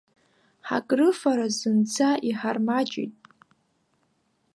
Ҳакрыфара зынӡа иҳармаҷит.